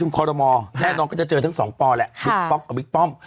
หุดหงิดมันวันนี้นายกแถลงค่าแบบใหม่